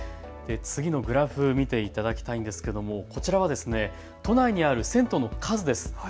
グラフ、見ていただきたいんですけれどもこちらは都内にある銭湯の数です。